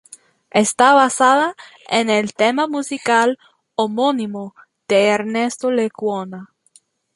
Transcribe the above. Está basada en el tema musical homónimo de Ernesto Lecuona.